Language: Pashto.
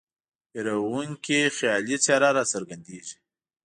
ویرونکې خیالي څېره را څرګندیږي.